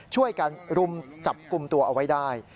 ช่วยกันรุมจับกลุ่มตัวเอาไว้ได้